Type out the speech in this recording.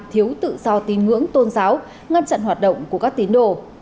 thiếu tự do tin ngưỡng tôn giáo ngăn chặn hoạt động của các tín đồ